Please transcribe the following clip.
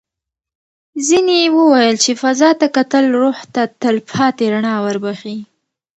ځینې وویل چې فضا ته کتل روح ته تل پاتې رڼا وربښي.